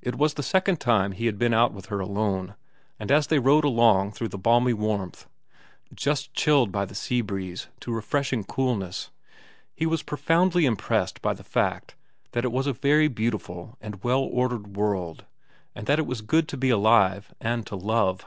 It was the second time he had been out with her alone, and as they rode along through the balmy warmth, just chilled by she sea breeze to refreshing coolness, he was profoundly impressed by the fact that it was a very beautiful and well ordered world and that it was good to be alive and to love.